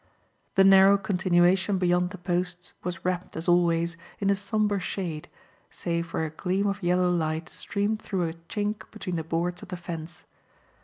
The narrow continuation beyond the posts was wrapped as always, in a sombre shade, save where a gleam of yellow light streamed through a chink between the boards of the fence.